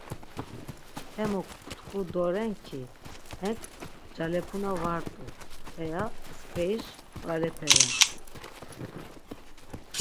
Hemuk tku doren ki:'hek ncalepuna var t̆u, heya mskveriş nkralepe ren.